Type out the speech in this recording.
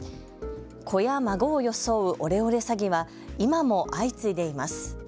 子や孫を装うオレオレ詐欺は今も相次いでいます。